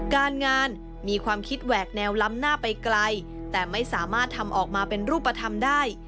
การงานมีความคิดแหวกแนวล้ำหน้าไปไกลแต่ไม่สามารถทำออกมาเป็นรูปธรรมได้